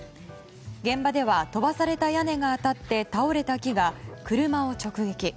現場では、飛ばされた屋根が当たって倒れた木が車を直撃。